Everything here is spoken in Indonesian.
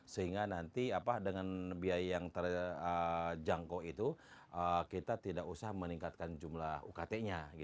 sehingga nanti dengan biaya yang terjangkau itu kita tidak usah meningkatkan jumlah ukt nya